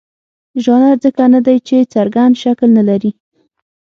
ژانر ځکه نه دی چې څرګند شکل نه لري.